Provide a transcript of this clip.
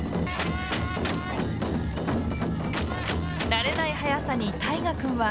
慣れない速さに虎君は。